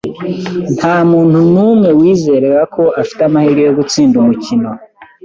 Ntamuntu numwe wizeraga ko afite amahirwe yo gutsinda umukino.